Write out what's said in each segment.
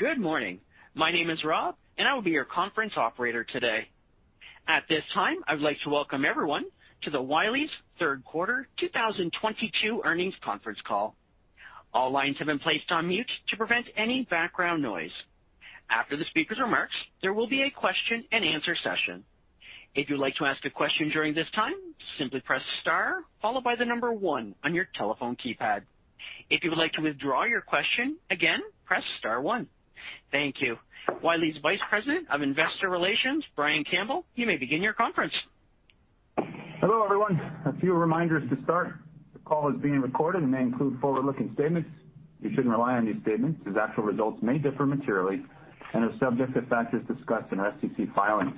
Good morning. My name is Rob, and I will be your conference operator today. At this time, I would like to welcome everyone to Wiley's third quarter 2022 earnings conference call. All lines have been placed on mute to prevent any background noise. After the speaker's remarks, there will be a question-and-answer session. If you'd like to ask a question during this time, simply press Star followed by the number one on your telephone keypad. If you would like to withdraw your question, again, press Star one. Thank you. Wiley's Vice President of Investor Relations, Brian Campbell, you may begin your conference. Hello, everyone. A few reminders to start. The call is being recorded and may include forward-looking statements. You shouldn't rely on these statements as actual results may differ materially and are subject to factors discussed in our SEC filings.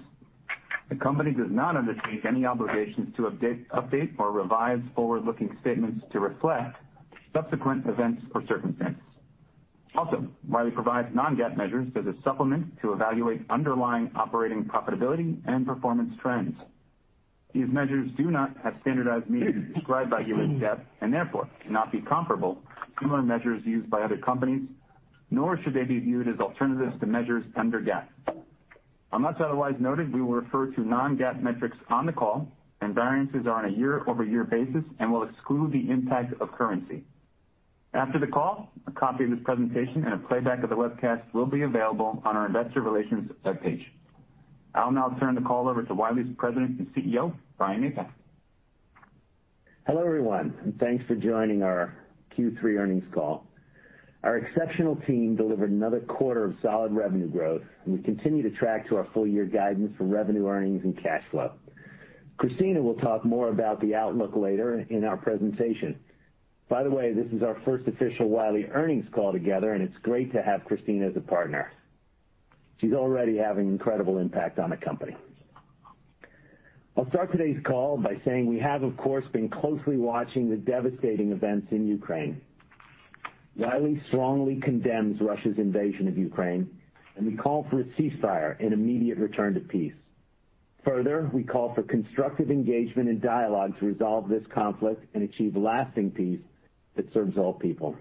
The company does not undertake any obligations to update or revise forward-looking statements to reflect subsequent events or circumstances. Also, Wiley provides non-GAAP measures as a supplement to evaluate underlying operating profitability and performance trends. These measures do not have standardized meaning prescribed by GAAP and therefore cannot be comparable to similar measures used by other companies, nor should they be viewed as alternatives to measures under GAAP. Unless otherwise noted, we will refer to non-GAAP metrics on the call, and variances are on a year-over-year basis and will exclude the impact of currency. After the call, a copy of this presentation and a playback of the webcast will be available on our investor relations webpage. I'll now turn the call over to Wiley's President and CEO, Brian Napack. Hello, everyone, and thanks for joining our Q3 earnings call. Our exceptional team delivered another quarter of solid revenue growth, and we continue to track to our full year guidance for revenue earnings and cash flow. Christina will talk more about the outlook later in our presentation. By the way, this is our first official Wiley earnings call together, and it's great to have Christina as a partner. She's already having incredible impact on the company. I'll start today's call by saying we have, of course, been closely watching the devastating events in Ukraine. Wiley strongly condemns Russia's invasion of Ukraine, and we call for a ceasefire and immediate return to peace. Further, we call for constructive engagement and dialogue to resolve this conflict and achieve lasting peace that serves all people.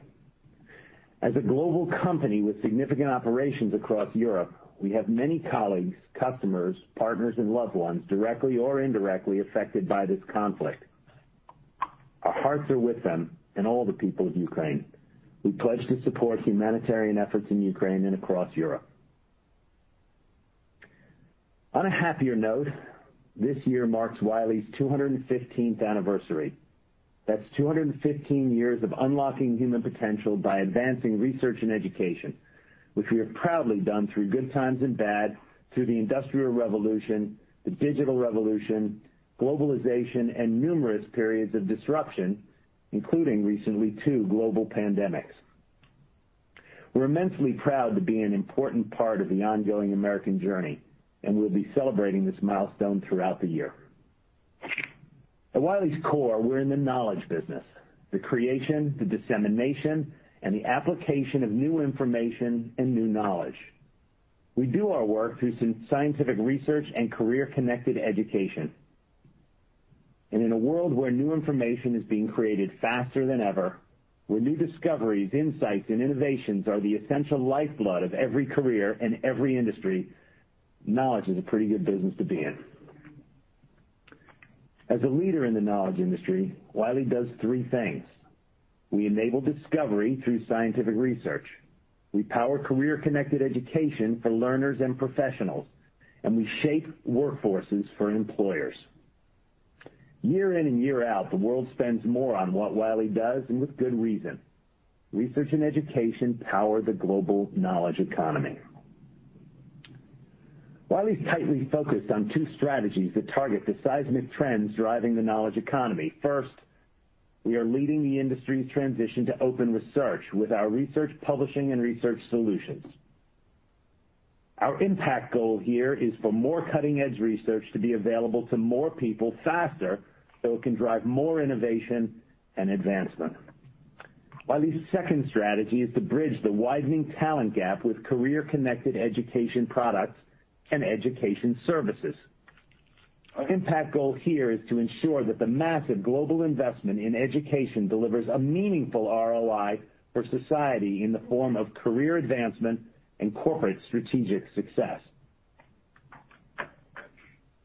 As a global company with significant operations across Europe, we have many colleagues, customers, partners and loved ones directly or indirectly affected by this conflict. Our hearts are with them and all the people of Ukraine. We pledge to support humanitarian efforts in Ukraine and across Europe. On a happier note, this year marks Wiley's 215th anniversary. That's 215 years of unlocking human potential by advancing research and education, which we have proudly done through good times and bad, through the Industrial Revolution, the Digital Revolution, globalization, and numerous periods of disruption, including recently, two global pandemics. We're immensely proud to be an important part of the ongoing American journey, and we'll be celebrating this milestone throughout the year. At Wiley's core, we're in the knowledge business, the creation, the dissemination, and the application of new information and new knowledge. We do our work through scientific research and career-connected education. In a world where new information is being created faster than ever, where new discoveries, insights and innovations are the essential lifeblood of every career and every industry, knowledge is a pretty good business to be in. As a leader in the knowledge industry, Wiley does three things. We enable discovery through scientific research. We power career-connected education for learners and professionals, and we shape workforces for employers. Year in and year out, the world spends more on what Wiley does, and with good reason. Research and education power the global knowledge economy. Wiley is tightly focused on two strategies that target the seismic trends driving the knowledge economy. First, we are leading the industry's transition to open research with our research publishing and research solutions. Our impact goal here is for more cutting-edge research to be available to more people faster, so it can drive more innovation and advancement. Wiley's second strategy is to bridge the widening talent gap with career-connected education products and education services. Our impact goal here is to ensure that the massive global investment in education delivers a meaningful ROI for society in the form of career advancement and corporate strategic success.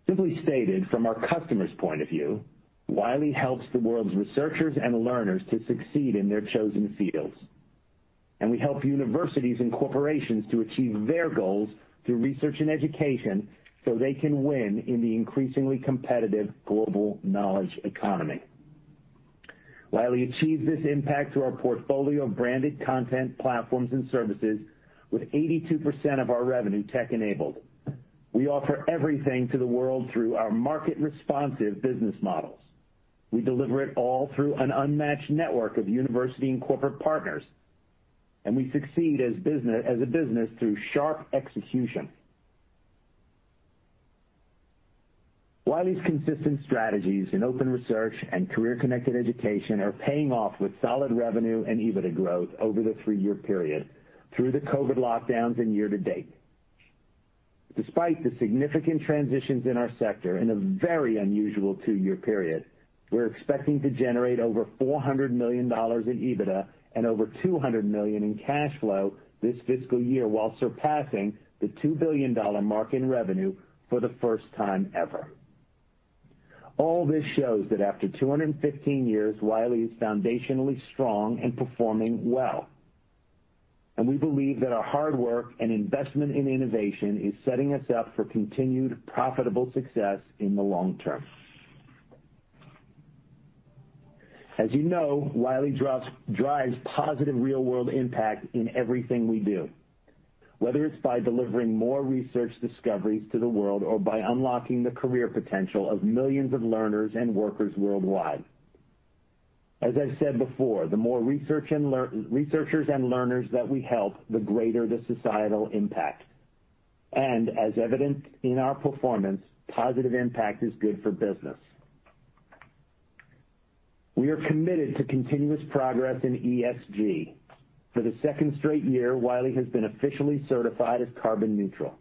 Simply stated, from our customers' point of view, Wiley helps the world's researchers and learners to succeed in their chosen fields, and we help universities and corporations to achieve their goals through research and education, so they can win in the increasingly competitive global knowledge economy. Wiley achieves this impact through our portfolio of branded content, platforms and services with 82% of our revenue tech-enabled. We offer everything to the world through our market-responsive business models. We deliver it all through an unmatched network of university and corporate partners, and we succeed as business, as a business through sharp execution. Wiley's consistent strategies in open research and career-connected education are paying off with solid revenue and EBITDA growth over the three-year period through the COVID lockdowns and year to date. Despite the significant transitions in our sector in a very unusual two-year period, we're expecting to generate over $400 million in EBITDA and over $200 million in cash flow this fiscal year, while surpassing the $2 billion mark in revenue for the first time ever. All this shows that after 215 years, Wiley is foundationally strong and performing well. We believe that our hard work and investment in innovation is setting us up for continued profitable success in the long term. As you know, Wiley drives positive real-world impact in everything we do, whether it's by delivering more research discoveries to the world or by unlocking the career potential of millions of learners and workers worldwide. As I said before, the more researchers and learners that we help, the greater the societal impact. As is evident in our performance, positive impact is good for business. We are committed to continuous progress in ESG. For the second straight year, Wiley has been officially certified as carbon neutral.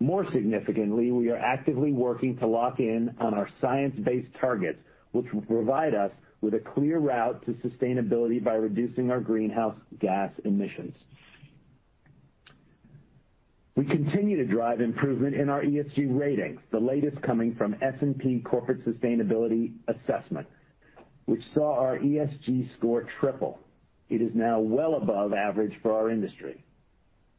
More significantly, we are actively working to lock in on our science-based targets, which will provide us with a clear route to sustainability by reducing our greenhouse gas emissions. We continue to drive improvement in our ESG ratings, the latest coming from S&P Corporate Sustainability Assessment, which saw our ESG score triple. It is now well above average for our industry.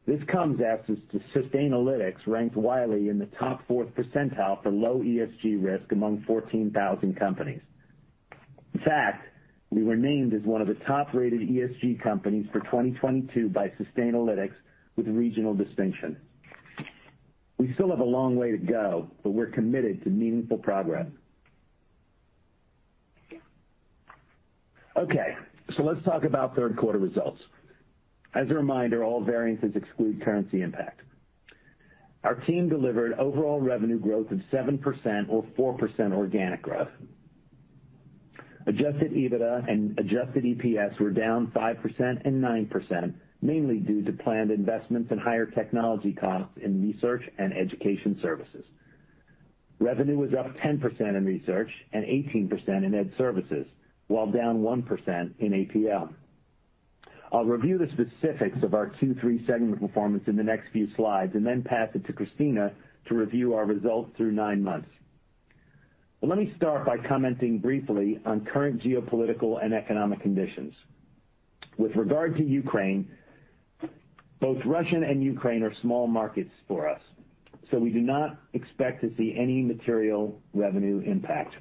Sustainalytics ranked Wiley in the top 4th percentile for low ESG risk among 14,000 companies. In fact, we were named as one of the top-rated ESG companies for 2022 by Sustainalytics with regional distinction. We still have a long way to go, but we're committed to meaningful progress. Okay, let's talk about third quarter results. As a reminder, all variances exclude currency impact. Our team delivered overall revenue growth of 7% or 4% organic growth. Adjusted EBITDA and adjusted EPS were down 5% and 9%, mainly due to planned investments and higher technology costs in Research and Ed Services. Revenue was up 10% in Research and 18% in Ed Services, while down 1% in APL. I'll review the specifics of our Q3 segment performance in the next few slides and then pass it to Christina to review our results through nine months. Let me start by commenting briefly on current geopolitical and economic conditions. With regard to Ukraine, both Russia and Ukraine are small markets for us, so we do not expect to see any material revenue impact.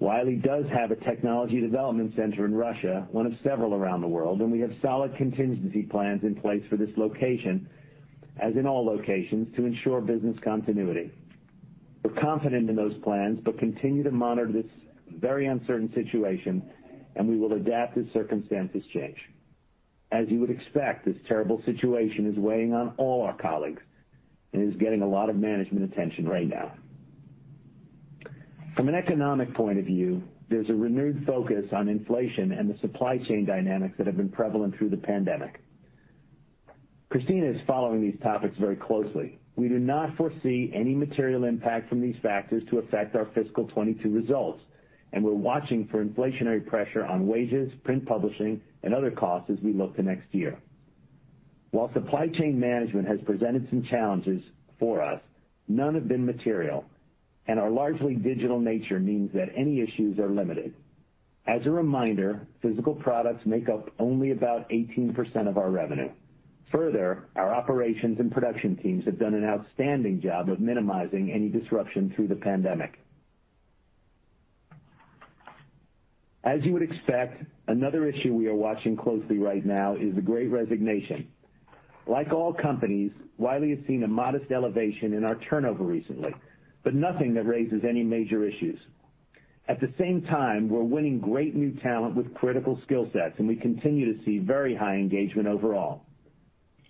Wiley does have a technology development center in Russia, one of several around the world, and we have solid contingency plans in place for this location, as in all locations, to ensure business continuity. We're confident in those plans, but continue to monitor this very uncertain situation, and we will adapt as circumstances change. As you would expect, this terrible situation is weighing on all our colleagues and is getting a lot of management attention right now. From an economic point of view, there's a renewed focus on inflation and the supply chain dynamics that have been prevalent through the pandemic. Christina is following these topics very closely. We do not foresee any material impact from these factors to affect our fiscal 2022 results, and we're watching for inflationary pressure on wages, print publishing and other costs as we look to next year. While supply chain management has presented some challenges for us, none have been material, and our largely digital nature means that any issues are limited. As a reminder, physical products make up only about 18% of our revenue. Further, our operations and production teams have done an outstanding job of minimizing any disruption through the pandemic. As you would expect, another issue we are watching closely right now is the Great Resignation. Like all companies, Wiley has seen a modest elevation in our turnover recently, but nothing that raises any major issues. At the same time, we're winning great new talent with critical skill sets, and we continue to see very high engagement overall.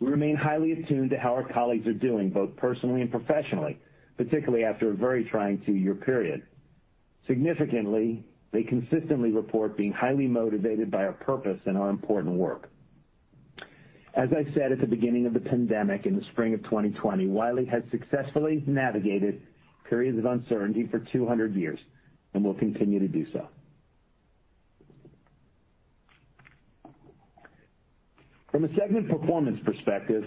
We remain highly attuned to how our colleagues are doing, both personally and professionally, particularly after a very trying two-year period. Significantly, they consistently report being highly motivated by our purpose and our important work. As I said at the beginning of the pandemic in the spring of 2020, Wiley has successfully navigated periods of uncertainty for 200 years and will continue to do so. From a segment performance perspective,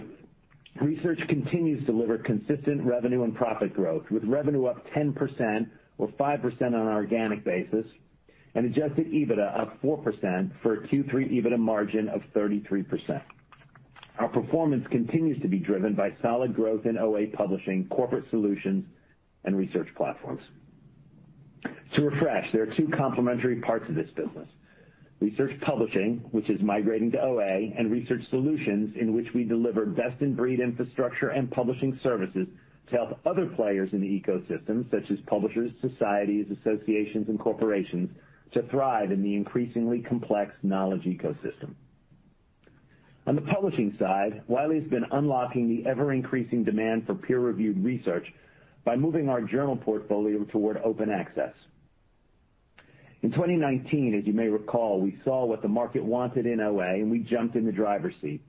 research continues to deliver consistent revenue and profit growth, with revenue up 10% or 5% on an organic basis and adjusted EBITDA up 4% for a Q3 EBITDA margin of 33%. Our performance continues to be driven by solid growth in OA publishing, corporate solutions and research platforms. To refresh, there are two complementary parts of this business: research publishing, which is migrating to OA, and research solutions, in which we deliver best-in-breed infrastructure and publishing services to help other players in the ecosystem, such as publishers, societies, associations, and corporations, to thrive in the increasingly complex knowledge ecosystem. On the publishing side, Wiley has been unlocking the ever-increasing demand for peer-reviewed research by moving our journal portfolio toward open access. In 2019, as you may recall, we saw what the market wanted in OA, and we jumped in the driver's seat.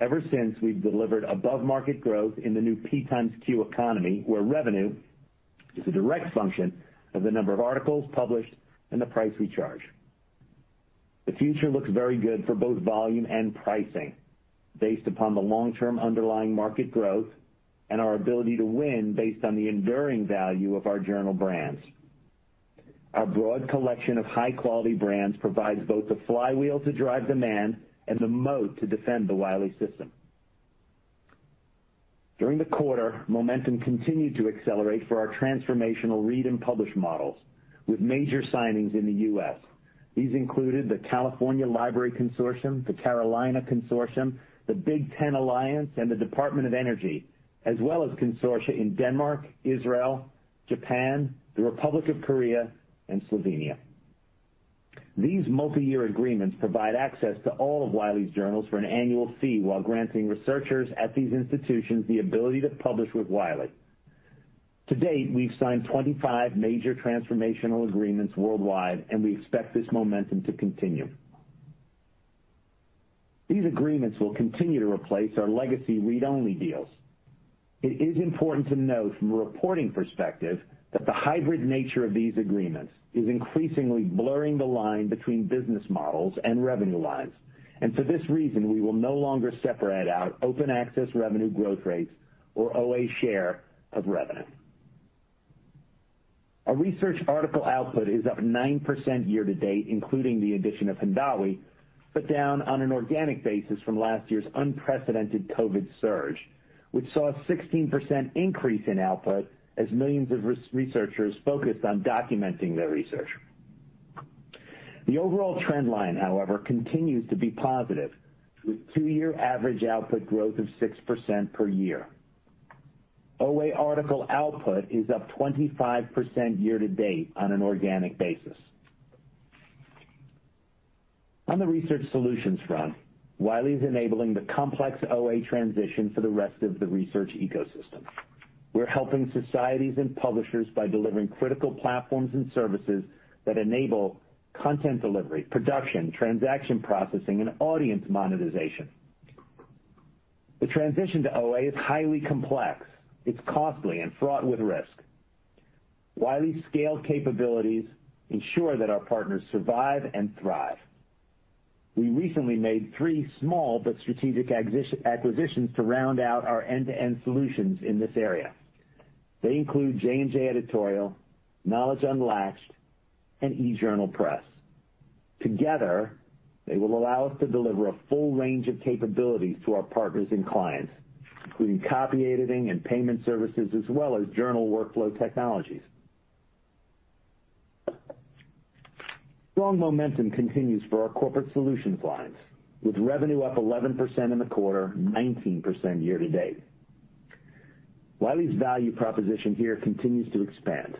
Ever since, we've delivered above-market growth in the new P times Q economy, where revenue is a direct function of the number of articles published and the price we charge. The future looks very good for both volume and pricing based upon the long-term underlying market growth and our ability to win based on the enduring value of our journal brands. Our broad collection of high-quality brands provides both the flywheel to drive demand and the moat to defend the Wiley system. During the quarter, momentum continued to accelerate for our transformational read-and-publish models, with major signings in the U.S. These included the California Library Consortium, the Carolina Consortium, the Big Ten Academic Alliance, and the Department of Energy, as well as consortia in Denmark, Israel, Japan, the Republic of Korea, and Slovenia. These multiyear agreements provide access to all of Wiley's journals for an annual fee while granting researchers at these institutions the ability to publish with Wiley. To date, we've signed 25 major transformational agreements worldwide, and we expect this momentum to continue. These agreements will continue to replace our legacy read-only deals. It is important to note from a reporting perspective that the hybrid nature of these agreements is increasingly blurring the line between business models and revenue lines, and for this reason, we will no longer separate out open access revenue growth rates or OA share of revenue. Our research article output is up 9% year to date, including the addition of Hindawi, but down on an organic basis from last year's unprecedented COVID surge, which saw a 16% increase in output as millions of researchers focused on documenting their research. The overall trend line, however, continues to be positive, with two-year average output growth of 6% per year. OA article output is up 25% year to date on an organic basis. On the research solutions front, Wiley is enabling the complex OA transition for the rest of the research ecosystem. We're helping societies and publishers by delivering critical platforms and services that enable content delivery, production, transaction processing, and audience monetization. The transition to OA is highly complex. It's costly and fraught with risk. Wiley's scale capabilities ensure that our partners survive and thrive. We recently made three small but strategic acquisitions to round out our end-to-end solutions in this area. They include J&J Editorial, Knowledge Unlatched, and eJournalPress. Together, they will allow us to deliver a full range of capabilities to our partners and clients, including copyediting and payment services as well as journal workflow technologies. Strong momentum continues for our corporate solutions clients, with revenue up 11% in the quarter, 19% year to date. Wiley's value proposition here continues to expand.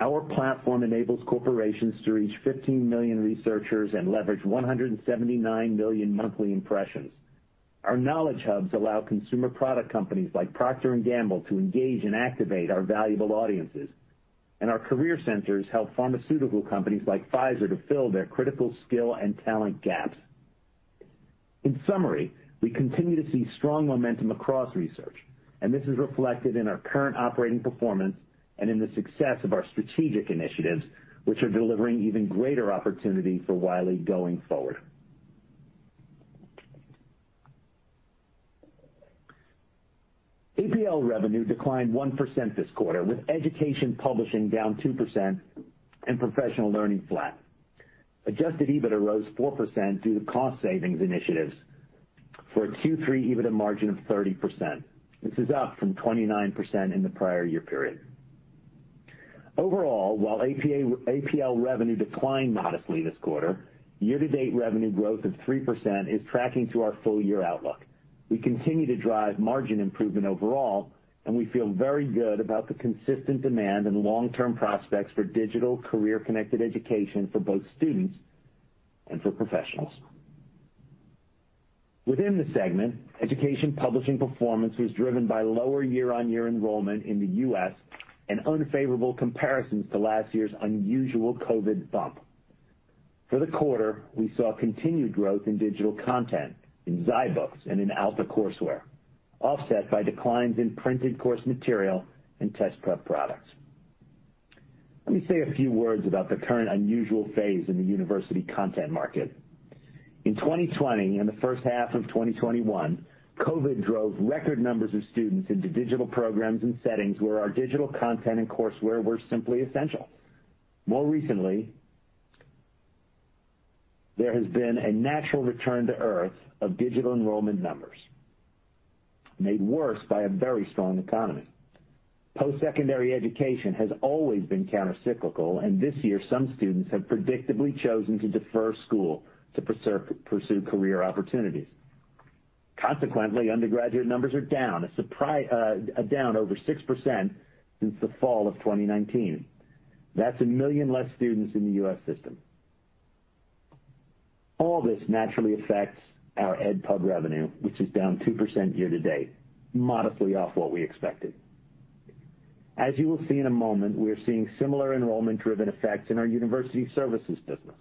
Our platform enables corporations to reach 15 million researchers and leverage 179 million monthly impressions. Our knowledge hubs allow consumer product companies like Procter & Gamble to engage and activate our valuable audiences, and our career centers help pharmaceutical companies like Pfizer to fill their critical skill and talent gaps. In summary, we continue to see strong momentum across research, and this is reflected in our current operating performance and in the success of our strategic initiatives, which are delivering even greater opportunity for Wiley going forward. APL revenue declined 1% this quarter, with education publishing down 2% and professional learning flat. Adjusted EBITDA rose 4% due to cost savings initiatives for a Q3 EBITDA margin of 30%. This is up from 29% in the prior year period. Overall, while APL revenue declined modestly this quarter, year-to-date revenue growth of 3% is tracking to our full year outlook. We continue to drive margin improvement overall, and we feel very good about the consistent demand and long-term prospects for digital career-connected education for both students and for professionals. Within the segment, education publishing performance was driven by lower year-on-year enrollment in the U.S. and unfavorable comparisons to last year's unusual COVID bump. For the quarter, we saw continued growth in digital content in WileyPLUS and in Knewton Alta, offset by declines in printed course material and test prep products. Let me say a few words about the current unusual phase in the university content market. In 2020 and the first half of 2021, COVID drove record numbers of students into digital programs and settings where our digital content and courseware were simply essential. More recently, there has been a natural return to earth of digital enrollment numbers, made worse by a very strong economy. Post-secondary education has always been countercyclical, and this year some students have predictably chosen to defer school to pursue career opportunities. Consequently, undergraduate numbers are down over 6% since the fall of 2019. That's 1 million less students in the U.S. system. All this naturally affects our Ed Pub revenue, which is down 2% year to date, modestly off what we expected. As you will see in a moment, we are seeing similar enrollment-driven effects in our university services business.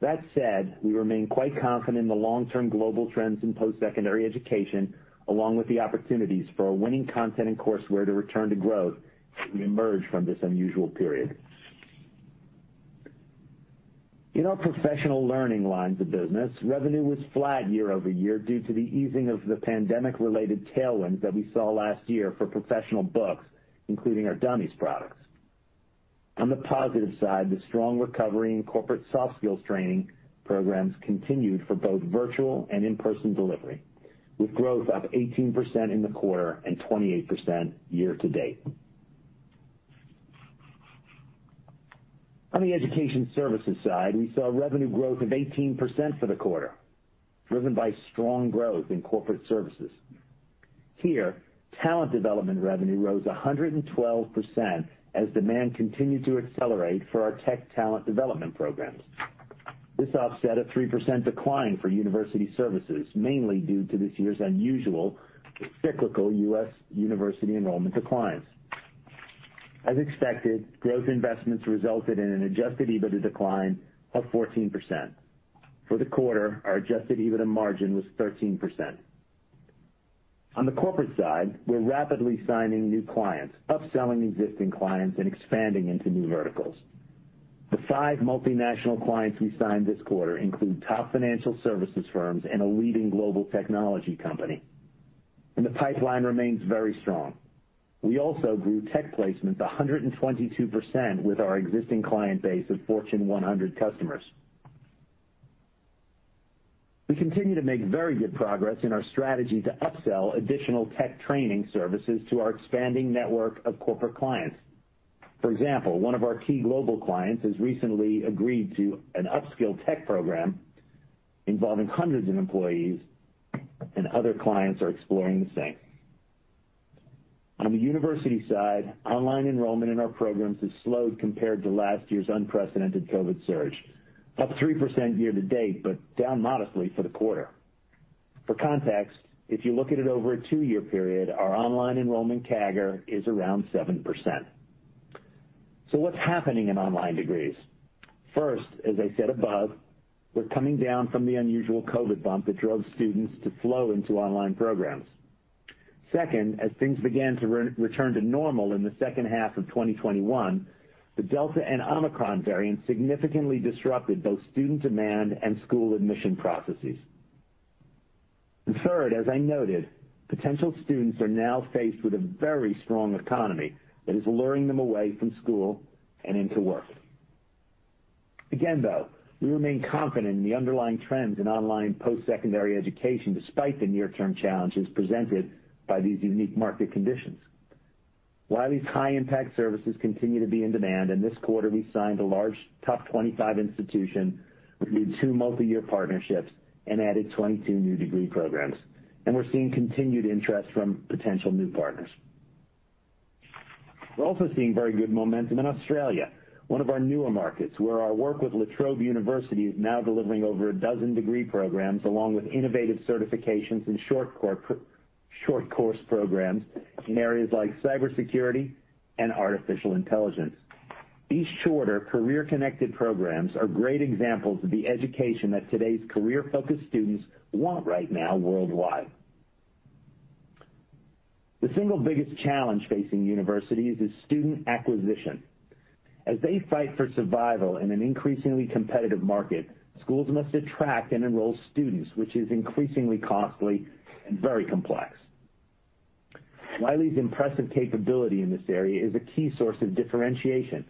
That said, we remain quite confident in the long-term global trends in post-secondary education, along with the opportunities for our winning content and courseware to return to growth as we emerge from this unusual period. In our professional learning lines of business, revenue was flat year-over-year due to the easing of the pandemic-related tailwinds that we saw last year for professional books, including our Dummies products. On the positive side, the strong recovery in corporate soft skills training programs continued for both virtual and in-person delivery, with growth up 18% in the quarter and 28% year to date. On the education services side, we saw revenue growth of 18% for the quarter, driven by strong growth in corporate services. Here, talent development revenue rose 112% as demand continued to accelerate for our tech talent development programs. This offset a 3% decline for university services, mainly due to this year's unusual cyclical U.S. university enrollment declines. As expected, growth investments resulted in an adjusted EBITDA decline of 14%. For the quarter, our adjusted EBITDA margin was 13%. On the corporate side, we're rapidly signing new clients, upselling existing clients, and expanding into new verticals. The five multinational clients we signed this quarter include top financial services firms and a leading global technology company. The pipeline remains very strong. We also grew tech placements 122% with our existing client base of Fortune 100 customers. We continue to make very good progress in our strategy to upsell additional tech training services to our expanding network of corporate clients. For example, one of our key global clients has recently agreed to an upskill tech program involving hundreds of employees, and other clients are exploring the same. On the university side, online enrollment in our programs has slowed compared to last year's unprecedented COVID surge, up 3% year to date, but down modestly for the quarter. For context, if you look at it over a two-year period, our online enrollment CAGR is around 7%. What's happening in online degrees? First, as I said above, we're coming down from the unusual COVID bump that drove students to flock into online programs. Second, as things began to return to normal in the second half of 2021, the Delta and Omicron variants significantly disrupted both student demand and school admission processes. Third, as I noted, potential students are now faced with a very strong economy that is luring them away from school and into work. Again, though, we remain confident in the underlying trends in online post-secondary education despite the near-term challenges presented by these unique market conditions. Wiley's high impact services continue to be in demand, and this quarter we signed a large top 25 institution with new two multi-year partnerships and added 22 new degree programs, and we're seeing continued interest from potential new partners. We're also seeing very good momentum in Australia, one of our newer markets, where our work with La Trobe University is now delivering over a dozen degree programs along with innovative certifications and short course programs in areas like cybersecurity and artificial intelligence. These shorter career-connected programs are great examples of the education that today's career-focused students want right now worldwide. The single biggest challenge facing universities is student acquisition. As they fight for survival in an increasingly competitive market, schools must attract and enroll students, which is increasingly costly and very complex. Wiley's impressive capability in this area is a key source of differentiation,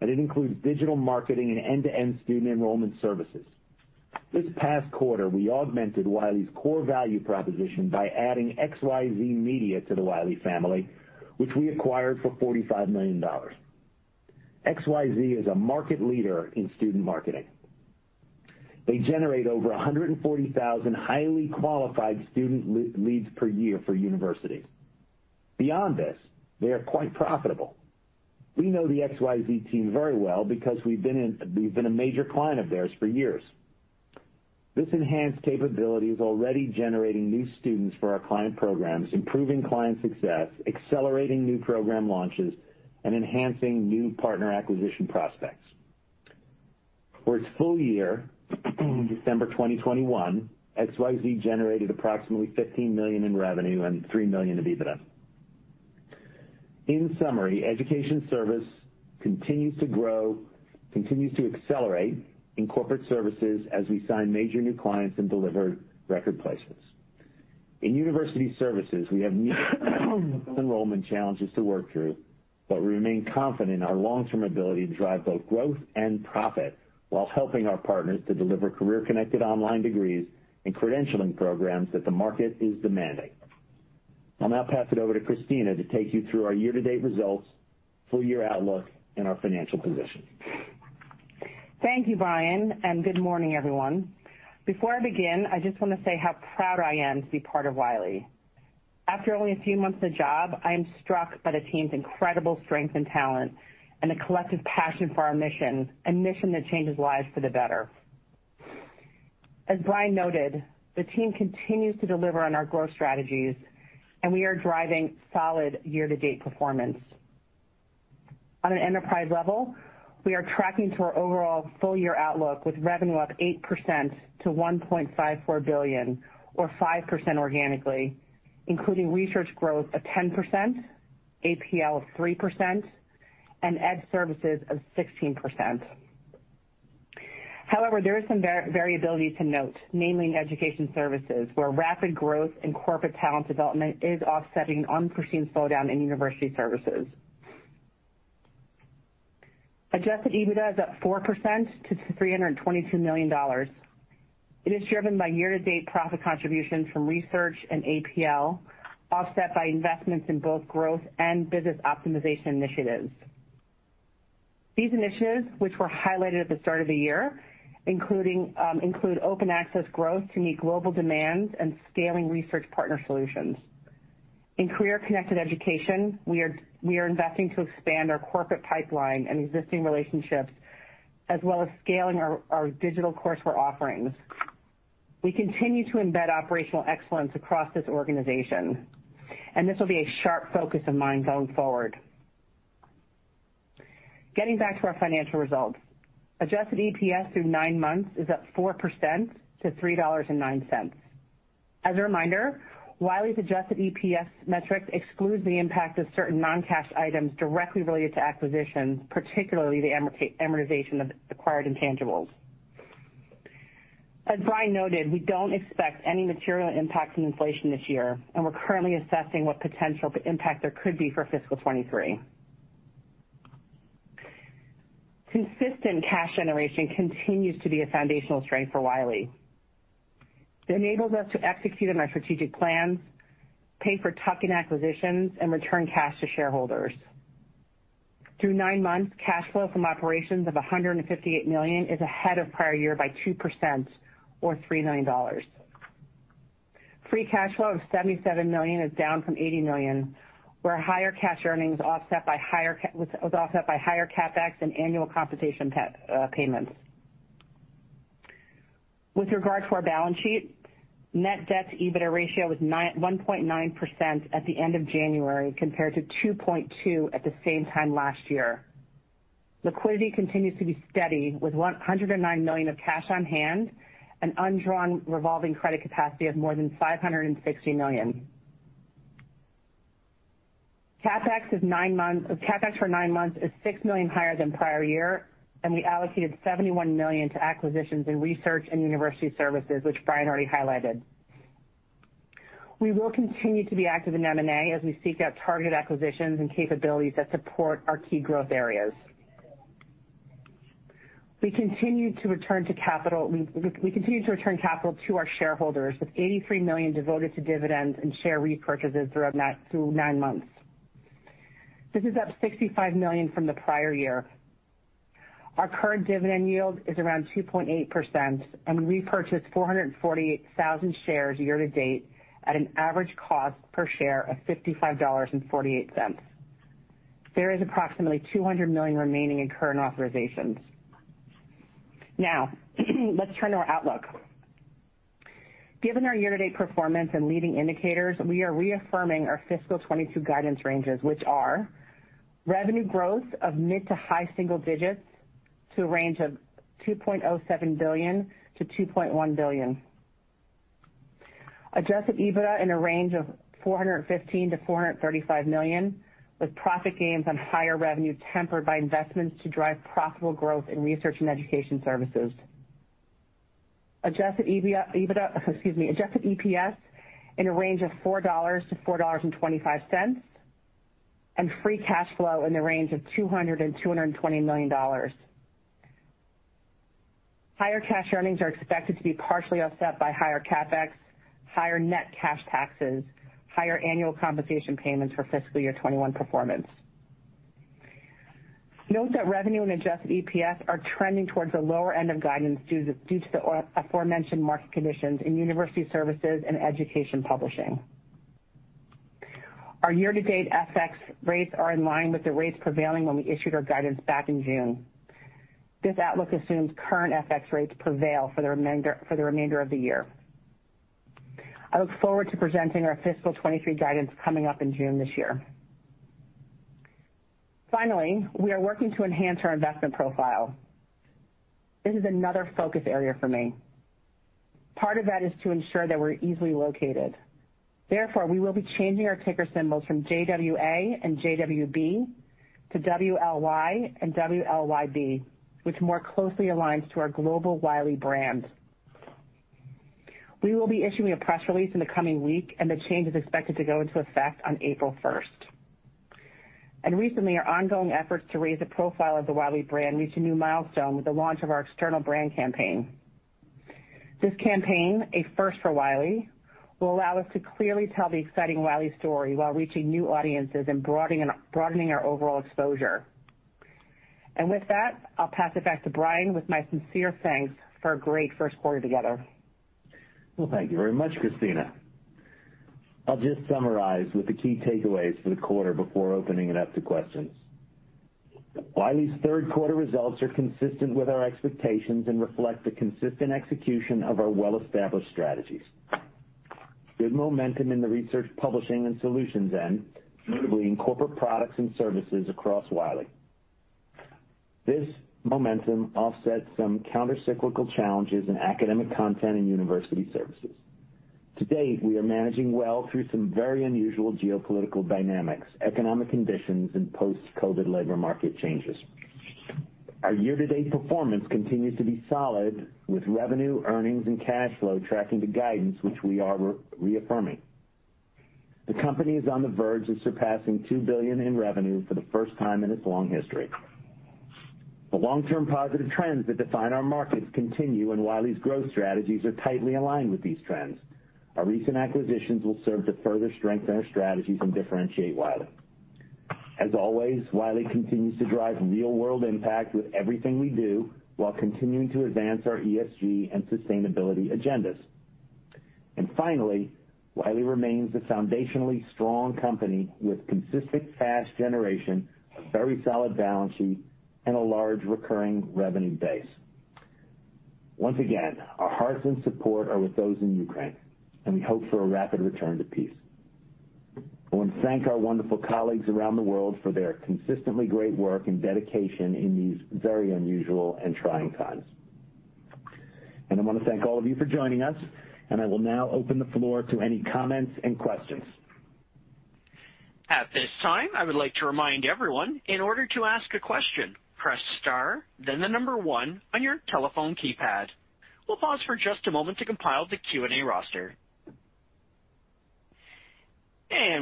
and it includes digital marketing and end-to-end student enrollment services. This past quarter, we augmented Wiley's core value proposition by adding XYZ Media to the Wiley family, which we acquired for $45 million. XYZ is a market leader in student marketing. They generate over 140,000 highly qualified student leads per year for universities. Beyond this, they are quite profitable. We know the XYZ team very well because we've been a major client of theirs for years. This enhanced capability is already generating new students for our client programs, improving client success, accelerating new program launches, and enhancing new partner acquisition prospects. For its full year, December 2021, XYZ generated approximately $15 million in revenue and $3 million of EBITDA. In summary, Education Services continues to grow, continues to accelerate in Corporate Services as we sign major new clients and deliver record placements. In University Services, we have new enrollment challenges to work through, but we remain confident in our long-term ability to drive both growth and profit while helping our partners to deliver career-connected online degrees and credentialing programs that the market is demanding. I'll now pass it over to Christina to take you through our year-to-date results, full year outlook, and our financial position. Thank you, Brian, and good morning, everyone. Before I begin, I just want to say how proud I am to be part of Wiley. After only a few months in the job, I am struck by the team's incredible strength and talent and the collective passion for our mission, a mission that changes lives for the better. As Brian noted, the team continues to deliver on our growth strategies, and we are driving solid year-to-date performance. On an enterprise level, we are tracking to our overall full-year outlook with revenue up 8% to $1.54 billion or 5% organically, including research growth of 10%, APL of 3%, and Ed Services of 16%. However, there is some variability to note, namely in education services, where rapid growth in corporate talent development is offsetting unforeseen slowdown in university services. Adjusted EBITDA is up 4% to $322 million. It is driven by year-to-date profit contributions from research and APL, offset by investments in both growth and business optimization initiatives. These initiatives, which were highlighted at the start of the year, include open access growth to meet global demands and scaling research partner solutions. In career-connected education, we are investing to expand our corporate pipeline and existing relationships, as well as scaling our digital coursework offerings. We continue to embed operational excellence across this organization, and this will be a sharp focus of mine going forward. Getting back to our financial results. Adjusted EPS through nine months is up 4% to $3.09. As a reminder, Wiley's adjusted EPS metric excludes the impact of certain non-cash items directly related to acquisitions, particularly the amortization of acquired intangibles. As Brian noted, we don't expect any material impact from inflation this year, and we're currently assessing what potential impact there could be for fiscal 2023. Consistent cash generation continues to be a foundational strength for Wiley. It enables us to execute on our strategic plans, pay for tuck-in acquisitions, and return cash to shareholders. Through nine months, cash flow from operations of $158 million is ahead of prior year by 2% or $3 million. Free cash flow of $77 million is down from $80 million, where higher cash earnings was offset by higher CapEx and annual compensation payments. With regard to our balance sheet, net debt-to-EBITDA ratio was 1.9% at the end of January, compared to 2.2% at the same time last year. Liquidity continues to be steady with $109 million of cash on hand and undrawn revolving credit capacity of more than $560 million. CapEx for nine months is $6 million higher than prior year, and we allocated $71 million to acquisitions in research and university services, which Brian already highlighted. We will continue to be active in M&A as we seek out targeted acquisitions and capabilities that support our key growth areas. We continue to return capital to our shareholders, with $83 million devoted to dividends and share repurchases through nine months. This is up $65 million from the prior year. Our current dividend yield is around 2.8%, and we purchased 448,000 shares year to date at an average cost per share of $55.48. There is approximately $200 million remaining in current authorizations. Now, let's turn to our outlook. Given our year-to-date performance and leading indicators, we are reaffirming our fiscal 2022 guidance ranges, which are revenue growth of mid- to high-single-digits, to a range of $2.07 billion-$2.1 billion. Adjusted EBITDA in a range of $415 million-$435 million, with profit gains on higher revenue tempered by investments to drive profitable growth in research and education services. Adjusted EBITDA, excuse me, adjusted EPS in a range of $4-$4.25, and free cash flow in the range of $200-$220 million. Higher cash earnings are expected to be partially offset by higher CapEx, higher net cash taxes, higher annual compensation payments for fiscal year 2021 performance. Note that revenue and adjusted EPS are trending towards the lower end of guidance due to the aforementioned market conditions in university services and education publishing. Our year-to-date FX rates are in line with the rates prevailing when we issued our guidance back in June. This outlook assumes current FX rates prevail for the remainder of the year. I look forward to presenting our fiscal 2023 guidance coming up in June this year. Finally, we are working to enhance our investment profile. This is another focus area for me. Part of that is to ensure that we're easily located. Therefore, we will be changing our ticker symbols from JWA and JWB to WLY and WLYB, which more closely aligns to our global Wiley brand. We will be issuing a press release in the coming week, and the change is expected to go into effect on April first. Recently, our ongoing efforts to raise the profile of the Wiley brand reached a new milestone with the launch of our external brand campaign. This campaign, a first for Wiley, will allow us to clearly tell the exciting Wiley story while reaching new audiences and broadening our overall exposure. With that, I'll pass it back to Brian with my sincere thanks for a great first quarter together. Well, thank you very much, Christina. I'll just summarize with the key takeaways for the quarter before opening it up to questions. Wiley's third quarter results are consistent with our expectations and reflect the consistent execution of our well-established strategies. Good momentum in the research publishing and solutions end, notably in corporate products and services across Wiley. This momentum offsets some countercyclical challenges in academic content and university services. To date, we are managing well through some very unusual geopolitical dynamics, economic conditions, and post-COVID labor market changes. Our year-to-date performance continues to be solid, with revenue, earnings, and cash flow tracking to guidance, which we are reaffirming. The company is on the verge of surpassing $2 billion in revenue for the first time in its long history. The long-term positive trends that define our markets continue, and Wiley's growth strategies are tightly aligned with these trends. Our recent acquisitions will serve to further strengthen our strategies and differentiate Wiley. As always, Wiley continues to drive real-world impact with everything we do while continuing to advance our ESG and sustainability agendas. Finally, Wiley remains a foundationally strong company with consistent cash generation, a very solid balance sheet, and a large recurring revenue base. Once again, our hearts and support are with those in Ukraine, and we hope for a rapid return to peace. I want to thank our wonderful colleagues around the world for their consistently great work and dedication in these very unusual and trying times. I want to thank all of you for joining us, and I will now open the floor to any comments and questions. At this time, I would like to remind everyone, in order to ask a question, press star, then the number one on your telephone keypad. We'll pause for just a moment to compile the Q&A roster.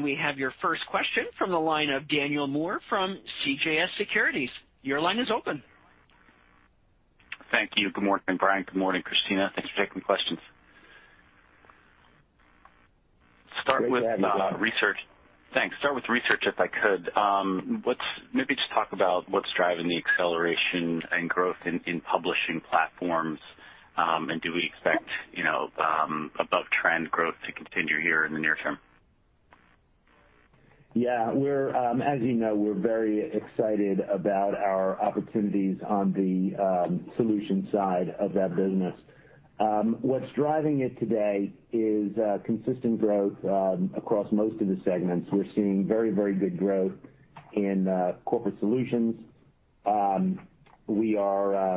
We have your first question from the line of Daniel Moore from CJS Securities. Your line is open. Thank you. Good morning, Brian. Good morning, Christina. Thanks for taking the questions. Great to have you, Dan. Start with research, if I could. Maybe just talk about what's driving the acceleration and growth in publishing platforms, and do we expect, you know, above-trend growth to continue here in the near term? Yeah. We're, as you know, we're very excited about our opportunities on the solutions side of that business. What's driving it today is consistent growth across most of the segments. We're seeing very, very good growth in corporate solutions. We are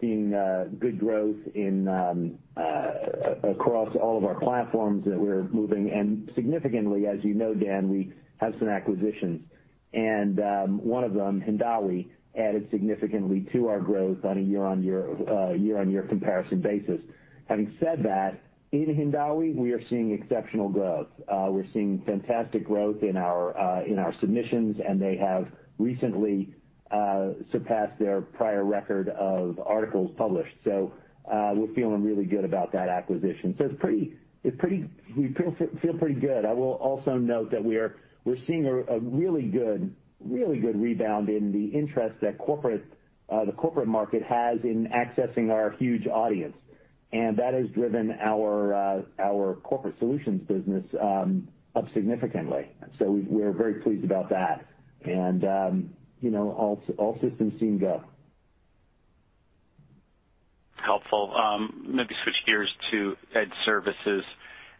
seeing good growth across all of our platforms that we're moving. Significantly, as you know, Dan, we have some acquisitions. One of them, Hindawi, added significantly to our growth on a year-on-year comparison basis. Having said that, in Hindawi, we are seeing exceptional growth. We're seeing fantastic growth in our submissions, and they have recently surpassed their prior record of articles published. We're feeling really good about that acquisition. We feel pretty good. I will also note that we're seeing a really good rebound in the interest that the corporate market has in accessing our huge audience. That has driven our corporate solutions business up significantly. We're very pleased about that. You know, all systems seem go. Helpful. Maybe switch gears to Ed Services.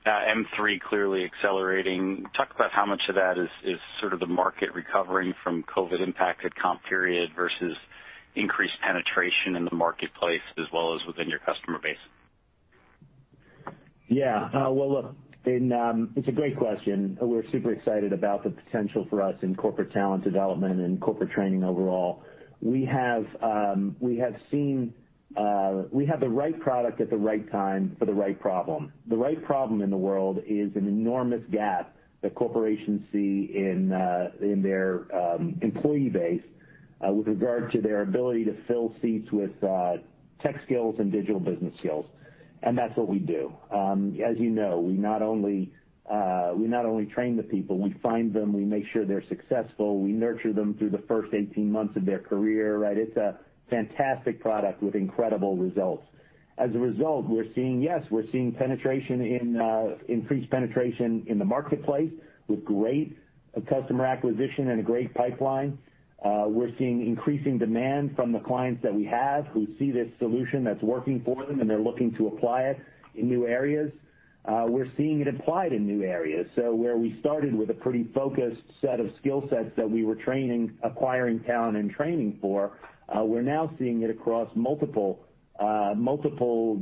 mthree clearly accelerating. Talk about how much of that is sort of the market recovering from COVID impacted comp period versus increased penetration in the marketplace as well as within your customer base. Yeah. Well, look, it's a great question. We're super excited about the potential for us in corporate talent development and corporate training overall. We have the right product at the right time for the right problem. The right problem in the world is an enormous gap that corporations see in their employee base with regard to their ability to fill seats with tech skills and digital business skills, and that's what we do. As you know, we not only train the people, we find them, we make sure they're successful, we nurture them through the first 18 months of their career, right? It's a fantastic product with incredible results. As a result, we're seeing increased penetration in the marketplace with great customer acquisition and a great pipeline. We're seeing increasing demand from the clients that we have who see this solution that's working for them, and they're looking to apply it in new areas. We're seeing it applied in new areas. Where we started with a pretty focused set of skill sets that we were training, acquiring talent and training for, we're now seeing it across multiple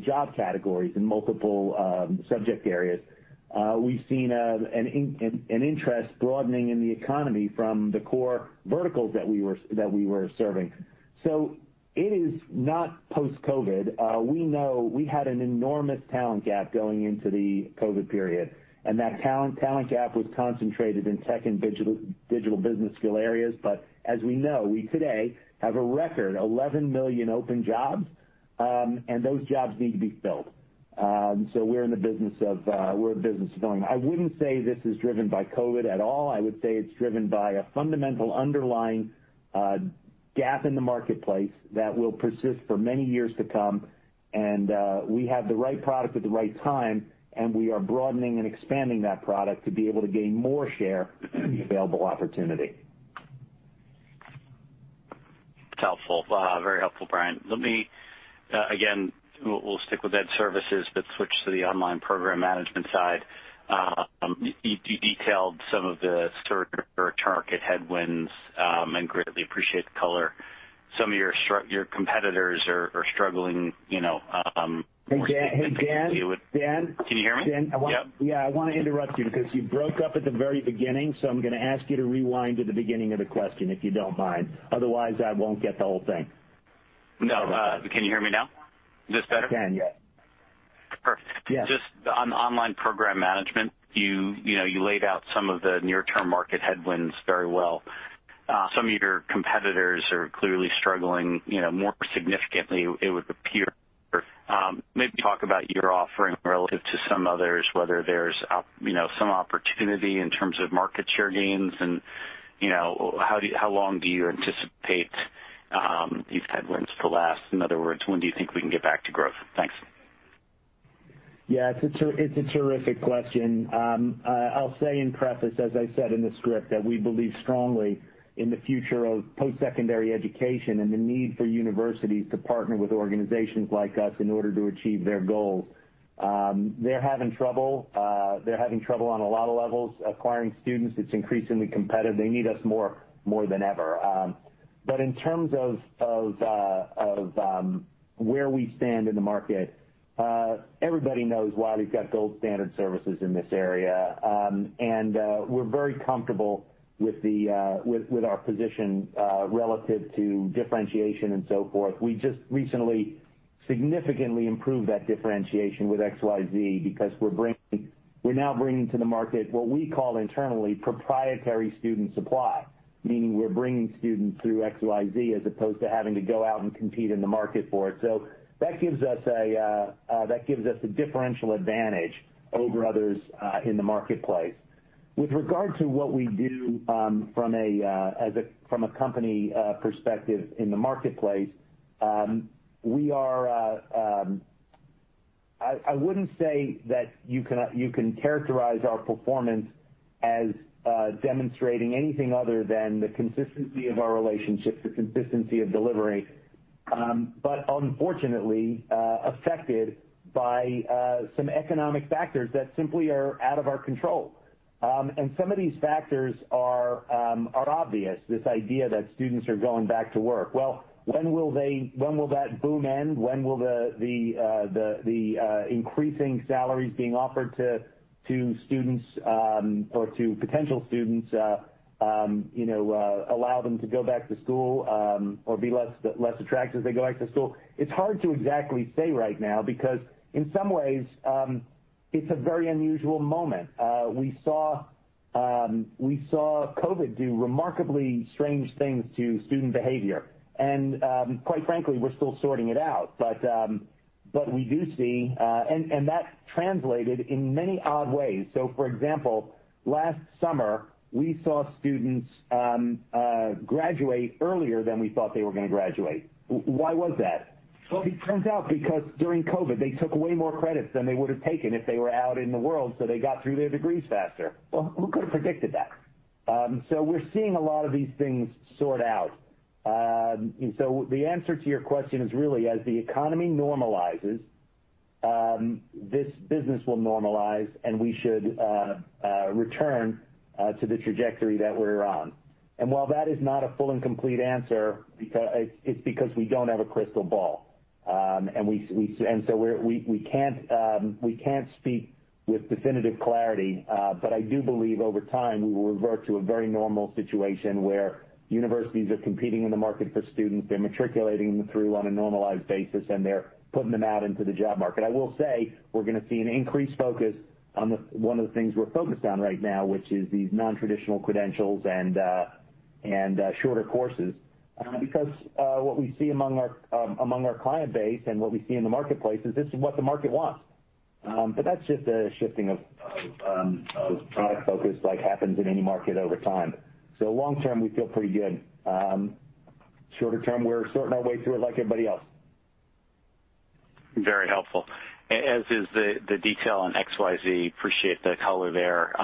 job categories and multiple subject areas. We've seen an interest broadening in the economy from the core verticals that we were serving. It is not post-COVID. We know we had an enormous talent gap going into the COVID period, and that talent gap was concentrated in tech and digital business skill areas. As we know, we today have a record 11 million open jobs, and those jobs need to be filled. We're a business of growing. I wouldn't say this is driven by COVID at all. I would say it's driven by a fundamental underlying gap in the marketplace that will persist for many years to come. We have the right product at the right time, and we are broadening and expanding that product to be able to gain more share in the available opportunity. It's helpful. Very helpful, Brian. Let me again, we'll stick with Ed Services, but switch to the online program management side. You detailed some of the short-term market headwinds, and greatly appreciate the color. Some of your competitors are struggling, you know. Hey, Dan. Can you hear me? Dan, I want Yep. Yeah, I wanna interrupt you because you broke up at the very beginning, so I'm gonna ask you to rewind to the beginning of the question, if you don't mind. Otherwise, I won't get the whole thing. No. Can you hear me now? Is this better? I can, yes. Perfect. Yes. Just on online program management, you know, you laid out some of the near-term market headwinds very well. Some of your competitors are clearly struggling, you know, more significantly it would appear. Maybe talk about your offering relative to some others, whether there's you know, some opportunity in terms of market share gains and, you know, how long do you anticipate these headwinds to last? In other words, when do you think we can get back to growth? Thanks. Yeah, it's a terrific question. I'll say in preface, as I said in the script, that we believe strongly in the future of post-secondary education and the need for universities to partner with organizations like us in order to achieve their goals. They're having trouble on a lot of levels acquiring students. It's increasingly competitive. They need us more than ever. In terms of where we stand in the market, everybody knows why we've got gold standard services in this area. We're very comfortable with our position relative to differentiation and so forth. We just recently significantly improved that differentiation with XYZ because we're now bringing to the market what we call internally proprietary student supply, meaning we're bringing students through XYZ as opposed to having to go out and compete in the market for it. That gives us a differential advantage over others in the marketplace. With regard to what we do from a company perspective in the marketplace, I wouldn't say that you can characterize our performance as demonstrating anything other than the consistency of our relationships, the consistency of delivery, but unfortunately affected by some economic factors that simply are out of our control. Some of these factors are obvious, this idea that students are going back to work. Well, when will that boom end? When will the increasing salaries being offered to students or to potential students, you know, allow them to go back to school or be less attractive they go back to school? It's hard to exactly say right now because in some ways, it's a very unusual moment. We saw COVID do remarkably strange things to student behavior. Quite frankly, we're still sorting it out. We do see that translated in many odd ways. For example, last summer, we saw students graduate earlier than we thought they were gonna graduate. Why was that? Well, it turns out because during COVID, they took way more credits than they would have taken if they were out in the world, so they got through their degrees faster. Well, who could have predicted that? We're seeing a lot of these things sort out. The answer to your question is really as the economy normalizes, this business will normalize and we should return to the trajectory that we're on. While that is not a full and complete answer, it's because we don't have a crystal ball. We can't speak with definitive clarity. I do believe over time, we will revert to a very normal situation where universities are competing in the market for students, they're matriculating them through on a normalized basis, and they're putting them out into the job market. I will say we're gonna see an increased focus on the, one of the things we're focused on right now, which is these non-traditional credentials and shorter courses. Because what we see among our client base and what we see in the marketplace is this is what the market wants. But that's just a shifting of product focus like happens in any market over time. Long term, we feel pretty good. Shorter term, we're sorting our way through it like everybody else. Very helpful. As is the detail on XYZ. Appreciate the color there.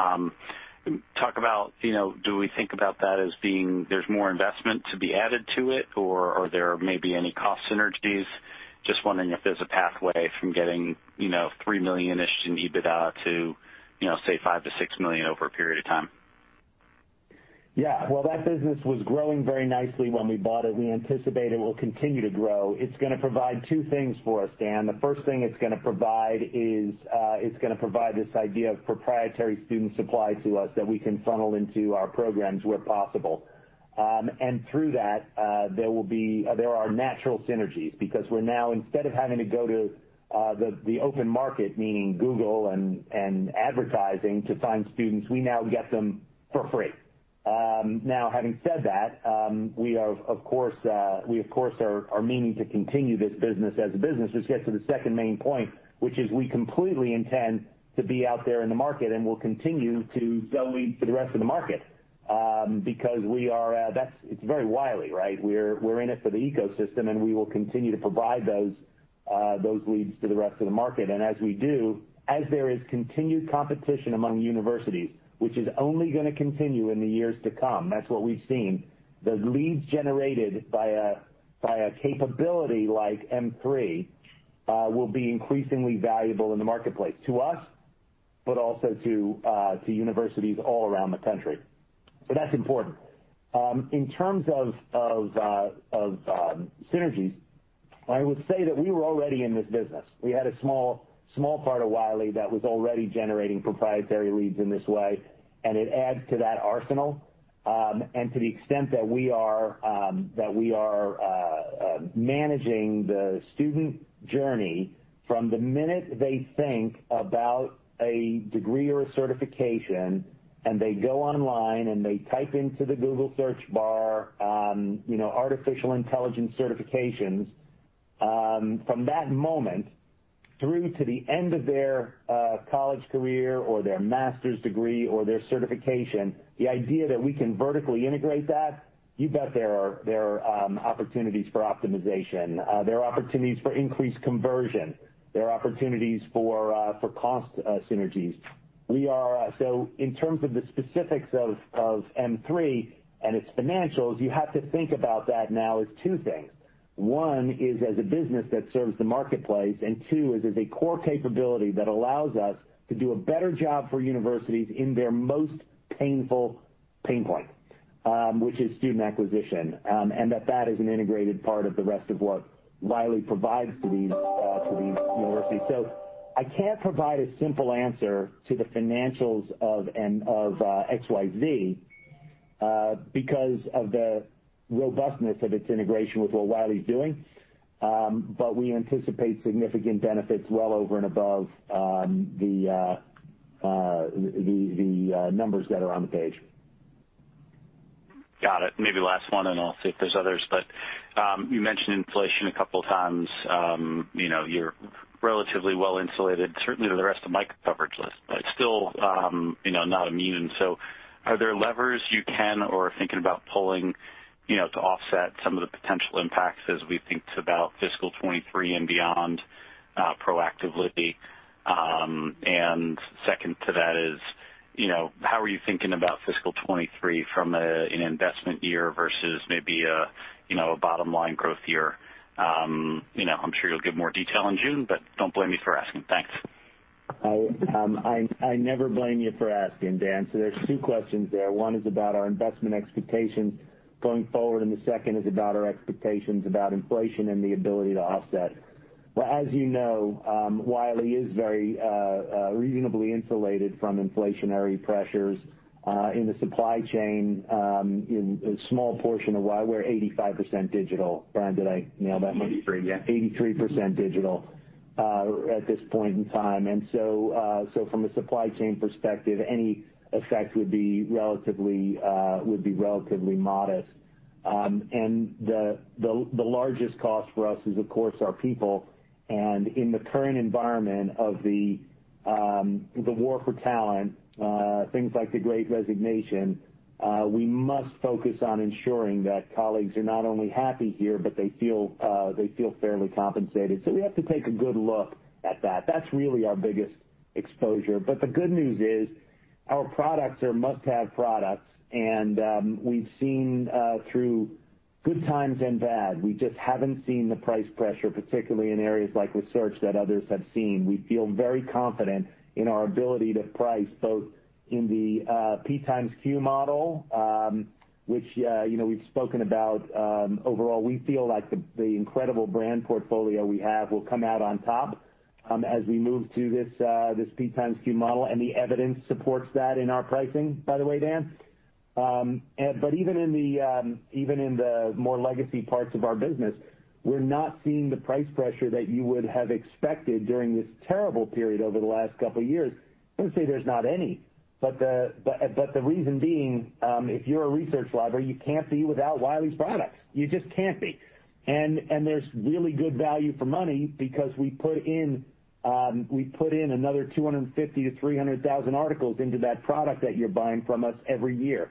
Talk about, you know, do we think about that as being there's more investment to be added to it or there may be any cost synergies? Just wondering if there's a pathway from getting, you know, $3 million-ish in EBITDA to, you know, say $5 million-$6 million over a period of time. Yeah. Well, that business was growing very nicely when we bought it. We anticipate it will continue to grow. It's gonna provide two things for us, Dan. The first thing it's gonna provide is this idea of proprietary student supply to us that we can funnel into our programs where possible. Through that, there are natural synergies because we're now, instead of having to go to the open market, meaning Google and advertising to find students, we now get them for free. Now having said that, we of course are meaning to continue this business as a business, which gets to the second main point, which is we completely intend to be out there in the market, and we'll continue to sell leads to the rest of the market, because it's very Wiley, right? We're in it for the ecosystem, and we will continue to provide those leads to the rest of the market. As we do, as there is continued competition among universities, which is only gonna continue in the years to come, that's what we've seen, the leads generated by a capability like mthree will be increasingly valuable in the marketplace to us, but also to universities all around the country. That's important. In terms of synergies, I would say that we were already in this business. We had a small part of Wiley that was already generating proprietary leads in this way, and it adds to that arsenal. To the extent that we are managing the student journey from the minute they think about a degree or a certification and they go online and they type into the Google search bar, you know, artificial intelligence certifications, from that moment through to the end of their college career or their master's degree or their certification, the idea that we can vertically integrate that, you bet there are opportunities for optimization. There are opportunities for increased conversion. There are opportunities for cost synergies. In terms of the specifics of mthree and its financials, you have to think about that now as two things. One is as a business that serves the marketplace, and two is as a core capability that allows us to do a better job for universities in their most painful pain point, which is student acquisition, and that is an integrated part of the rest of what Wiley provides to these universities. I can't provide a simple answer to the financials of XYZ because of the robustness of its integration with what Wiley's doing. We anticipate significant benefits well over and above the numbers that are on the page. Got it. Maybe last one, and I'll see if there's others. You mentioned inflation a couple times. You know, you're relatively well insulated, certainly to the rest of my coverage list, but still, you know, not immune. Are there levers you can or are thinking about pulling, you know, to offset some of the potential impacts as we think about fiscal 2023 and beyond, proactively? Second to that is, you know, how are you thinking about fiscal 2023 from an investment year versus maybe a, you know, a bottom-line growth year? You know, I'm sure you'll give more detail in June, but don't blame me for asking. Thanks. I never blame you for asking, Dan. There's two questions there. One is about our investment expectations going forward, and the second is about our expectations about inflation and the ability to offset. Well, as you know, Wiley is very reasonably insulated from inflationary pressures in the supply chain, in a small portion of why we're 85% digital. Brian, did I nail that number? 83, yeah. 83% digital at this point in time. From a supply chain perspective, any effect would be relatively modest. The largest cost for us is of course our people. In the current environment of the war for talent, things like the Great Resignation, we must focus on ensuring that colleagues are not only happy here, but they feel fairly compensated. We have to take a good look at that. That's really our biggest exposure. The good news is our products are must-have products, and we've seen through good times and bad, we just haven't seen the price pressure, particularly in areas like research that others have seen. We feel very confident in our ability to price both in the P times Q model, which, you know, we've spoken about. Overall, we feel like the incredible brand portfolio we have will come out on top, as we move to this P times Q model, and the evidence supports that in our pricing, by the way, Dan. But even in the more legacy parts of our business, we're not seeing the price pressure that you would have expected during this terrible period over the last couple years. I wouldn't say there's not any, but the reason being, if you're a research library, you can't be without Wiley's products. You just can't be. There's really good value for money because we put in another 250-300 thousand articles into that product that you're buying from us every year.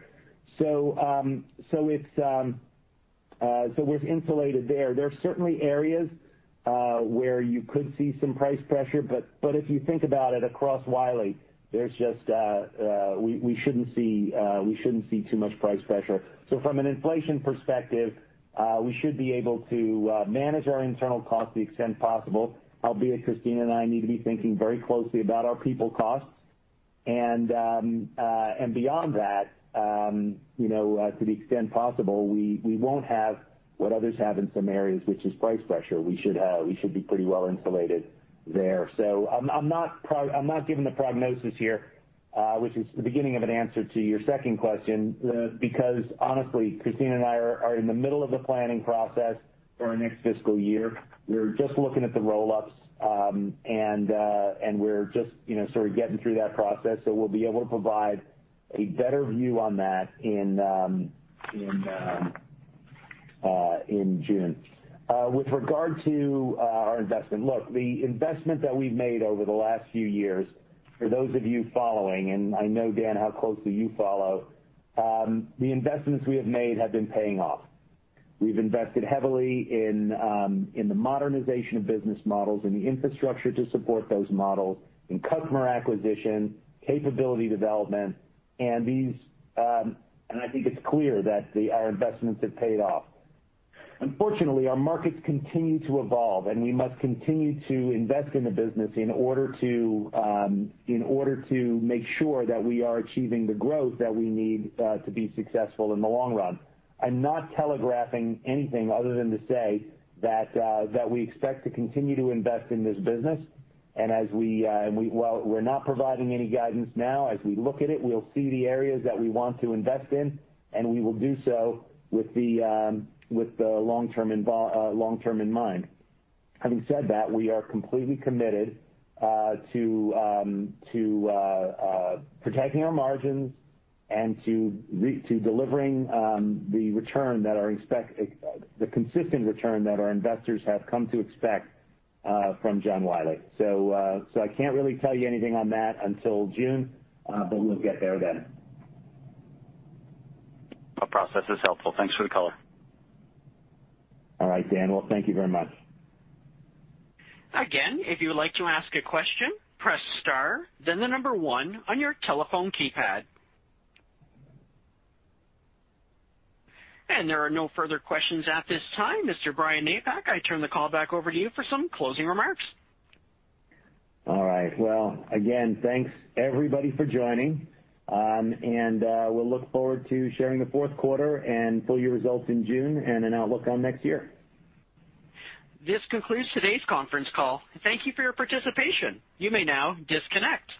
We're insulated there. There are certainly areas where you could see some price pressure, but if you think about it across Wiley, there's just we shouldn't see too much price pressure. From an inflation perspective, we should be able to manage our internal costs to the extent possible, albeit Christina and I need to be thinking very closely about our people costs. Beyond that, you know, to the extent possible, we won't have what others have in some areas, which is price pressure. We should be pretty well insulated there. I'm not giving the prognosis here, which is the beginning of an answer to your second question, because honestly, Christina and I are in the middle of the planning process for our next fiscal year. We're just looking at the roll-ups, and we're just, you know, sort of getting through that process. We'll be able to provide a better view on that in June. With regard to our investment, look, the investment that we've made over the last few years, for those of you following, and I know, Dan, how closely you follow, the investments we have made have been paying off. We've invested heavily in the modernization of business models and the infrastructure to support those models in customer acquisition, capability development. I think it's clear that our investments have paid off. Unfortunately, our markets continue to evolve, and we must continue to invest in the business in order to make sure that we are achieving the growth that we need to be successful in the long run. I'm not telegraphing anything other than to say that we expect to continue to invest in this business. Well, we're not providing any guidance now. As we look at it, we'll see the areas that we want to invest in, and we will do so with the long-term in mind. Having said that, we are completely committed to protecting our margins and to delivering the consistent return that our investors have come to expect from John Wiley. I can't really tell you anything on that until June, but we'll get there then. The process is helpful. Thanks for the call. All right, Dan. Well, thank you very much. Again, if you would like to ask a question, press star, then the number one on your telephone keypad. There are no further questions at this time. Mr. Brian Napack, I turn the call back over to you for some closing remarks. All right. Well, again, thanks everybody for joining. We'll look forward to sharing the fourth quarter and full year results in June and an outlook on next year. This concludes today's conference call. Thank you for your participation. You may now disconnect.